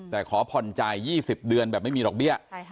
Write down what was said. แต่ขอผ่อนจ่าย๒๐เดือนแบบไม่มีดอกเบี้ย